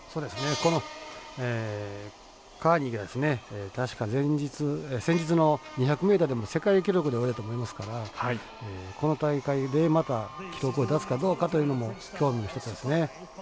このカーニーが確か先日の２００ｍでも世界記録で泳いでおりますからこの大会で、また記録を出すかどうかというのも興味の１つですね。